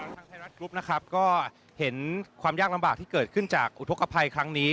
ไทยรัฐกรุ๊ปนะครับก็เห็นความยากลำบากที่เกิดขึ้นจากอุทธกภัยครั้งนี้